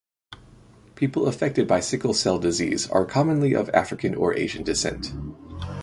People affected by sickle cell disease are commonly of African or Asian descent.